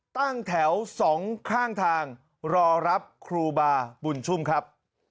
ตั้งแถว๒ข้างทางรอรับครูบาบุญชุ่มครับ